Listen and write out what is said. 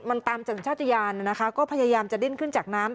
มันตามสัญชาติยานนะคะก็พยายามจะดิ้นขึ้นจากน้ำ